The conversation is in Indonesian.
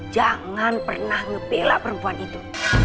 jangan pernah ngebela perempuan itu